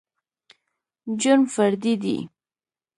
جرم فردي دى.